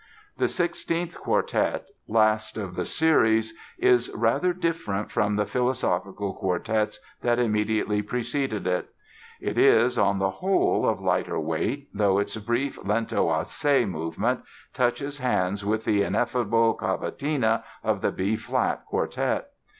The sixteenth quartet, last of the series, is rather different from the philosophical quartets that immediately preceded it. It is, on the whole, of lighter weight, though its brief "Lento assai" movement touches hands with the ineffable Cavatina of the B flat Quartet.